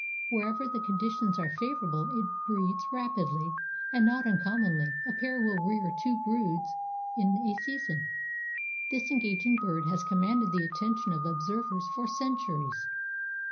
Wherever the conditions are favorable it breeds rapidly and not uncommonly a pair will rear two broods in a season. This engaging bird has commanded the attention of observers for centuries.